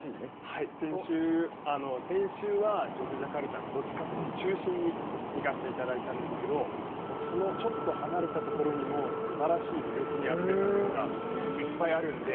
はい、先週はジョグジャカルタの中心に行かせていただいたんですけど、そのちょっと離れたところに、すばらしい魅力にあふれたものがいっぱいあるので。